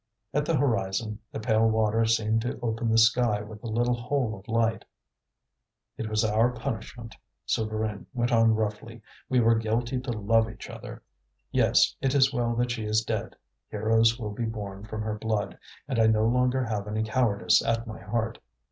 At the horizon, the pale water seemed to open the sky with a little hole of light. "It was our punishment," Souvarine went on roughly. "We were guilty to love each other. Yes, it is well that she is dead; heroes will be born from her blood, and I no longer have any cowardice at my heart.